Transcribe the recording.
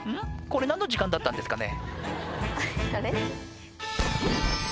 これ何の時間だったんですかね？